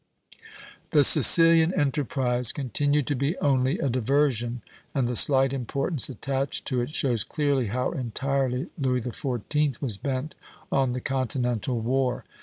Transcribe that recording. The Sicilian enterprise continued to be only a diversion, and the slight importance attached to it shows clearly how entirely Louis XIV. was bent on the continental war.